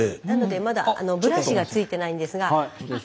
なのでまだブラシが付いてないんですが。